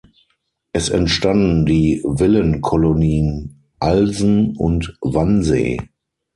Es entstanden die Villenkolonien Alsen und Wannsee.